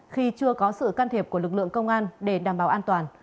khi chưa có sự can thiệp của lực lượng công an để đảm bảo an toàn